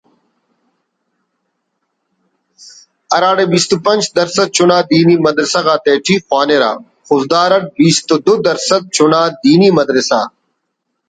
ہراڑے بیست و پنچ درسَد چنا دینی مدرسہ غاتیٹی خوانرہ خضدار اٹ بیست و دُو درسَد چنا دینی مدرسہ